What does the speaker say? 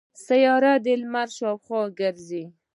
سیاره د لمر شاوخوا ګرځي.